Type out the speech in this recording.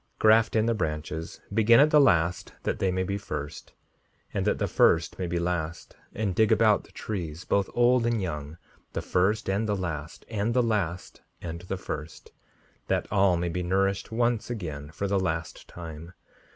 5:63 Graft in the branches; begin at the last that they may be first, and that the first may be last, and dig about the trees, both old and young, the first and the last; and the last and the first, that all may be nourished once again for the last time.